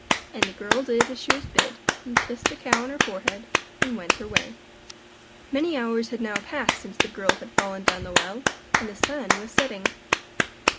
And the girl did as she was bid, and kissed the cow on her forehead and went her way. Many hours had now passed since the girl had fallen down the well, and the sun was setting.